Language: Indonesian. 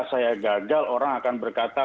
saya gagal orang akan berkata